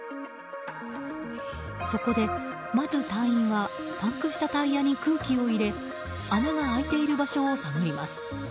そこで、まず隊員はパンクしたタイヤに空気を入れ穴が開いている場所を探ります。